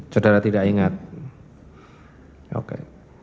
saudara tidak ingat oke